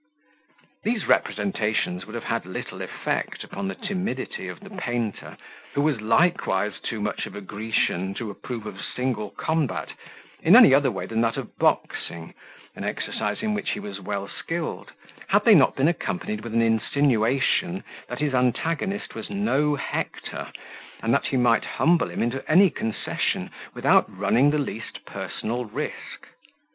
These representations would have had little effect upon the timidity of the painter, who was likewise too much of a Grecian to approve of single combat, in any other way than that of boxing, an exercise in which he was well skilled, had they not been accompanied with an insinuation, that his antagonist was no Hector, and that he might humble him into any concession, without running the least personal risk.